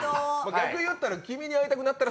逆言ったら「君に逢いたくなったら」